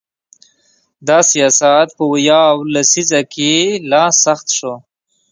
دا سیاست په ویاو لسیزه کې لا سخت شو.